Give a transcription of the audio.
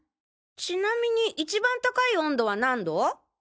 ちなみに一番高い温度は何度？